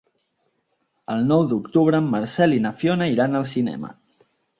El nou d'octubre en Marcel i na Fiona iran al cinema.